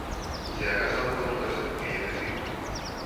Se ha casado cuatro veces, que ya es decir.